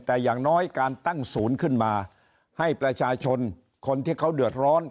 แต่อย่างน้อยการตั้งศูนย์ขึ้นมาให้ประชาชนคนที่เขาเดือดร้อน